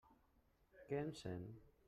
Que em sent?